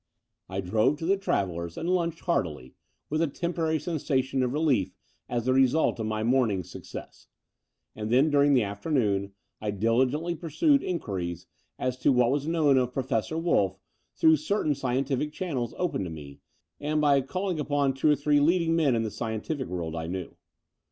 Between London and Clsnmplng 117 I drove to the Travellers' and lunched heartily, with a temporary sensation of relief as the result of my morning's success; and then, during the afternoon, I diligently pursued inquiries as to what was known of Prof ossqr Wolflf through certain scientific channels open to me, and by calling upon two or three leading men in the scientific world I knew.